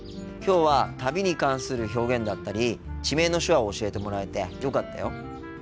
きょうは旅に関する表現だったり地名の手話を教えてもらえてよかったよ。